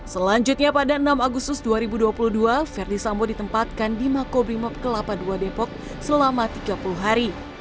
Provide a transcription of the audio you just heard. selanjutnya pada enam agustus dua ribu dua puluh dua verdi sambo ditempatkan di makobrimob kelapa ii depok selama tiga puluh hari